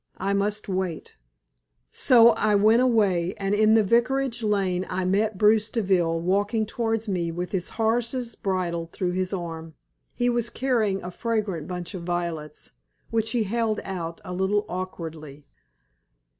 I must wait." So I went away, and in the Vicarage lane I met Bruce Deville walking towards me with his horse's bridle through his arm. He was carrying a fragrant bunch of violets, which he held out a little awkwardly.